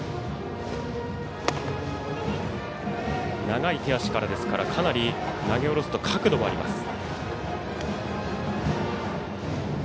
長い手足ですからかなり投げ下ろすと角度もあります。